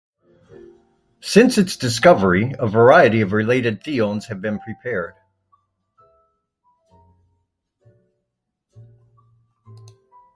Since its discovery, a variety of related thiones have been prepared.